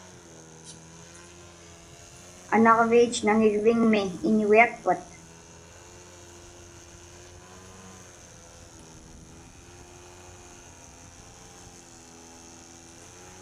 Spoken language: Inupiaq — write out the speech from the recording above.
Anaġviit naŋirviŋmi iñugiakpat?